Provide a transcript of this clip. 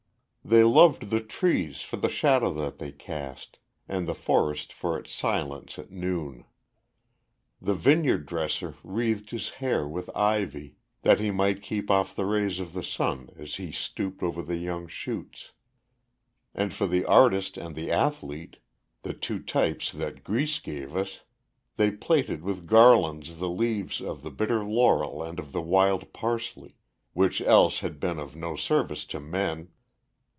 They loved the trees for the shadow that they cast, and the forest for its silence at noon. The vineyard dresser wreathed his hair with ivy, that he might keep off the rays of the sun as he stooped over the young shoots; and for the artist and the athlete, the two types that Greece gave us, they plaited with garlands the leaves of the bitter laurel and of the wild parsley, which else had been of no service to men.